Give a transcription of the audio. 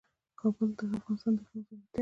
کابل د افغانستان د اقلیم ځانګړتیا ده.